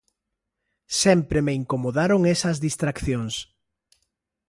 Sempre me incomodaron esas distraccións.